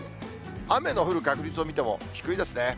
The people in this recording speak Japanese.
雨の降る確率を見ても、低いですね。